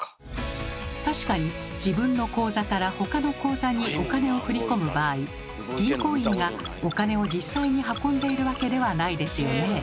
確かに自分の口座からほかの口座にお金を振り込む場合銀行員がお金を実際に運んでいるわけではないですよね。